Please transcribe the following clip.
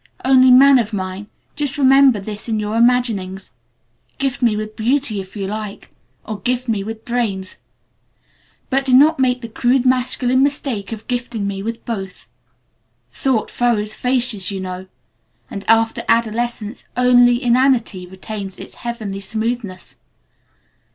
Only, Man of Mine, just remember this in your imaginings: Gift me with Beauty if you like, or gift me with Brains, but do not make the crude masculine mistake of gifting me with both. Thought furrows faces you know, and after Adolescence only Inanity retains its heavenly smoothness.